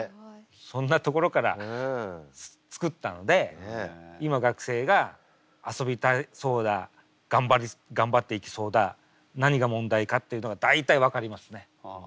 そんなところから作ったので今学生が遊びたそうだがんばっていきそうだ何が問題かっていうのが大体分かりますね。